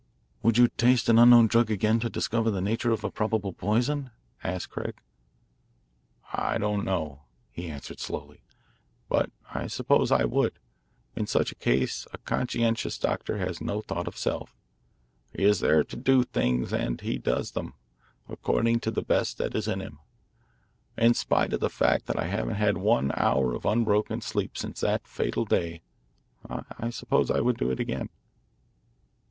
"Would you taste an unknown drug again to discover the nature of a probable poison?" asked Craig. "I don't know," he answered slowly, "but I suppose I would. In such a case a conscientious doctor has no thought of self. He is there to do things, and he does them, according to the best that is in him. In spite of the fact that I haven't had one hour of unbroken sleep since that fatal day, I suppose I would do it again."